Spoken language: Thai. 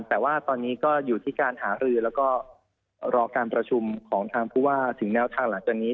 แต่ว่าตอนนี้ก็อยู่ที่การหารือแล้วก็รอการประชุมของทางผู้ว่าถึงแนวทางหลังจากนี้